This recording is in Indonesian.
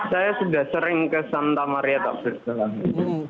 saya sudah sering ke santa maria takberjela